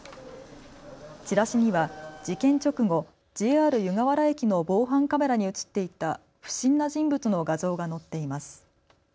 チラシには事件直後、ＪＲ湯河原駅の防犯カメラに写っていた不審な人物の画像が載っています。